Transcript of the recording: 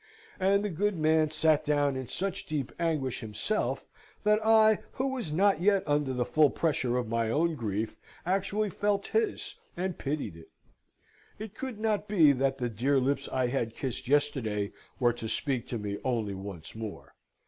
And the good man sate down in such deep anguish himself that I, who was not yet under the full pressure of my own grief, actually felt his, and pitied it. It could not be that the dear lips I had kissed yesterday were to speak to me only once more.